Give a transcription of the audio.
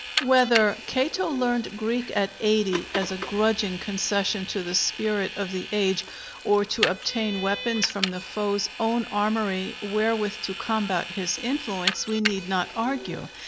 Whether "Cato learned Greek at eighty" as a grudging concession to the spirit of the age, or to obtain weapons from the foe's own armory wherewith to combat his influence, we need not argue.